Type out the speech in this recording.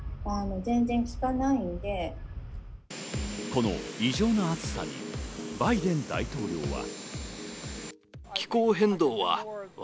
この異常な暑さにバイデン大統領は。